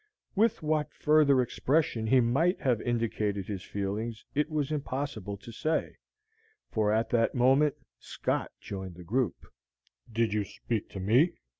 With what further expression he might have indicated his feelings it was impossible to say, for at that moment Scott joined the group. "Did you speak to me?"